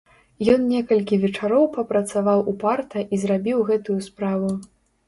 Ён некалькі вечароў папрацаваў упарта і зрабіў гэтую справу.